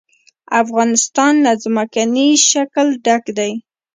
افغانستان له ځمکنی شکل ډک دی.